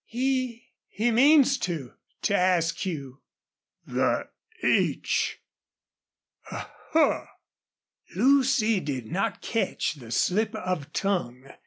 "He he means to to ask you." "The h .... A huh!" Lucy did not catch the slip of tongue.